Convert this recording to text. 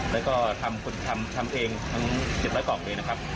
แล้วก็ทำคนทำทำเองทั้งเก็บร้อยกล่องเลยนะครับ